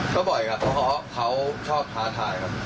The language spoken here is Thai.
ก็บ่อยครับเพราะเขาชอบท้าทายครับ